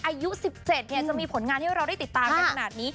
อายุ๑๗จะมีผลงานให้เราได้ติดตามกันขนาดนี้